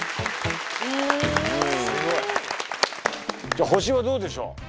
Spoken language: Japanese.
じゃあ星はどうでしょう？